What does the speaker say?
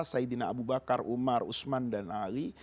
saidina abu bakar umar usman dan ali